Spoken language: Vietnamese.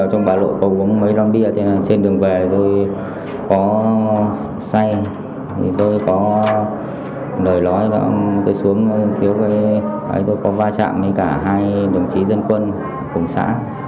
hôm nay tôi có lời nói tôi có va chạm với cả hai đồng chí dân quân cùng xã